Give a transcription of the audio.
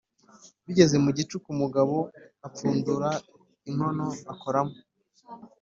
Bigeze mu gicuku umugabo apfundura inkono akoramo,